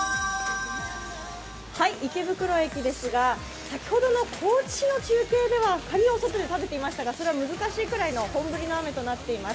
池袋駅ですが先ほどの高知市の中継では外で食べていましたがそれは難しいぐらいの本降りの雨となっています。